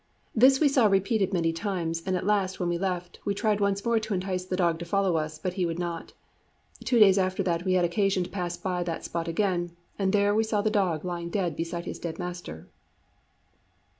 This we saw repeated many times, and at last, when we left, we tried once more to entice the dog to follow us, but he would not. Two days after that we had occasion to pass by that spot again, and there we saw the dog lying dead beside his dead master."